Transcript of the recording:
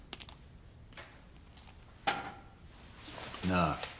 なあ。